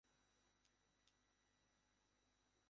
তার যদি প্রতিভা থাকে, ইচ্ছে থাকে এবং কঠোর পরিশ্রম করে, তবে হবে।